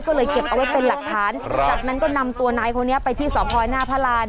ก็เลยเก็บเอาไว้เป็นหลักฐานจากนั้นก็นำตัวนายคนนี้ไปที่สพหน้าพระราน